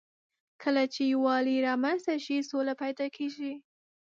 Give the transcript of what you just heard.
کله چې یووالی رامنځ ته شي، سوله پيدا کېږي.